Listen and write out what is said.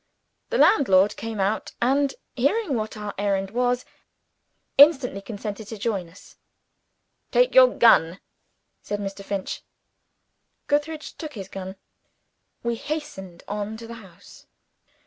The landlord came out; and, hearing what our errand was, instantly consented to join us. "Take your gun," said Mr. Finch. Gootheridge took his gun. We hastened on to the house.